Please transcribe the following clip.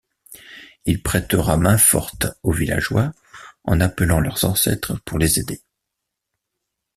Il prêtera main-forte aux villageois en appelant leurs ancêtres pour les aider.